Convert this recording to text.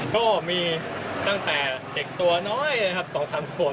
ก็มีตั้งแต่เด็กตัวน้อยนะครับ๒๓ขวบ